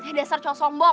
ya dasar cowok sombong